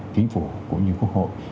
chính phủ cũng như quốc hội